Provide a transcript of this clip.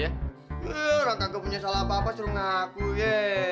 iya orang tak punya salah apa apa seru ngaku ya